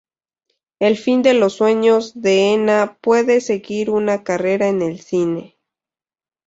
El fin de los sueños Deena puede seguir una carrera en el cine.